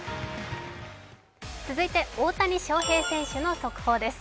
続いて、大谷翔平選手の速報です。